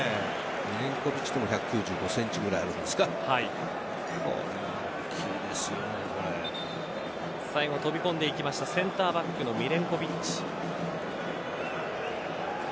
ミレンコヴィッチでも１９５センチぐらいあるんですか最後飛び込んでいきましたセンターバックのミレンコヴィッチ。